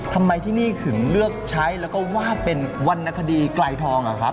ทำไมที่นี่ถึงเลือกใช้แล้วก็วาดเป็นวรรณคดีไกลทองอะครับ